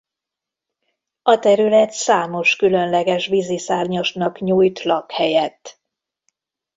A terület számos különleges vízi szárnyasnak nyújt lakhelyet.